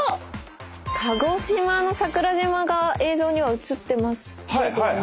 鹿児島の桜島が映像には映ってますけども。